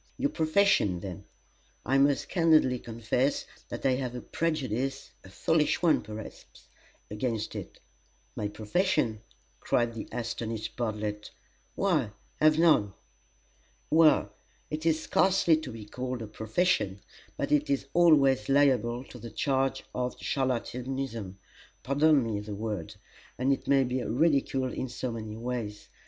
"Your profession, then. I must candidly confess that I have a prejudice a foolish one, perhaps, against it." "My profession!" cried the astonished Bartlett; "why, I have none!" "Well it is scarcely to be called a 'profession,' but it is always liable to the charge of charlatanism: pardon me the word. And it may be ridiculed in so many ways.